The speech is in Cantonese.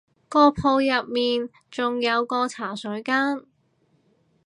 個鋪入面仲有個茶水間